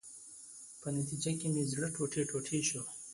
په نتیجه کې مې زړه ټوټې ټوټې شو.